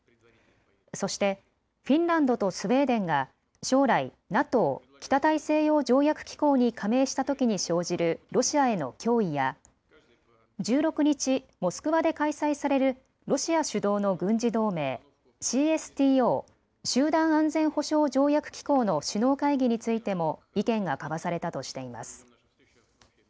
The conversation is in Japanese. そしてフィンランドとスウェーデンが将来、ＮＡＴＯ・北大西洋条約機構に加盟したときに生じるロシアへの脅威や１６日、モスクワで開催されるロシア主導の軍事同盟ＣＳＴＯ・集団安全保障条約機構の首脳会議についても意見が交わされたとしています。